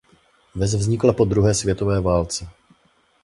Ves vznikla po druhé světové válce.